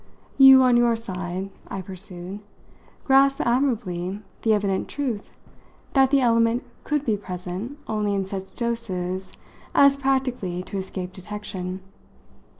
You, on your side," I pursued, "grasped admirably the evident truth that that element could be present only in such doses as practically to escape detection."